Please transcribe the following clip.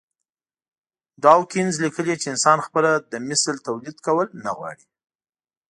ډاوکېنز ليکلي چې انسان خپله د مثل توليد کول نه غواړي.